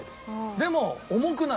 でも重くなる。